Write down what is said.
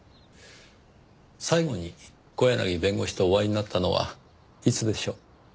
最後に小柳弁護士とお会いになったのはいつでしょう？